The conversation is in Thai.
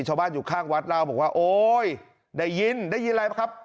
ชาวบ้านอยู่ข้างวัดเล่าบอกว่าโอ๊ยได้ยินได้ยินอะไรป่ะครับ